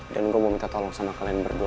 dan gua mau minta tolong sama kalian berdua